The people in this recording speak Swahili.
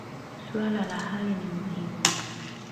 Swala la hali ni muhimu.